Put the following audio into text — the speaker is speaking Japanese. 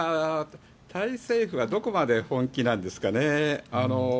タイ政府がどこまで本気なんですかね。